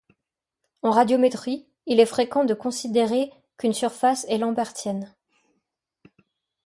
En radiométrie, il est fréquent de considérer qu'une surface est lambertienne.